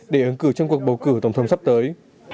để ứng cử trong cuộc bầu cử tổng thống sắp tới